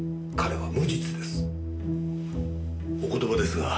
彼は無実です。